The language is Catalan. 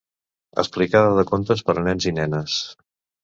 Explicada de contes per a nens i nenes.